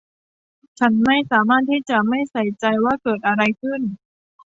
ฉันไม่สามารถที่จะไม่ใส่ใจว่าเกิดอะไรขึ้น